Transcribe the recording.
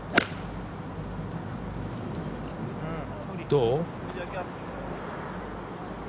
どう？